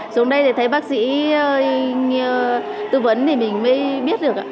xuống đây thì thấy bác sĩ tư vấn thì mình mới biết được ạ